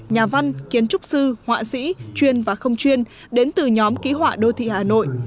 nhà văn kiến trúc sư họa sĩ chuyên và không chuyên đến từ nhóm ký họa đô thị hà nội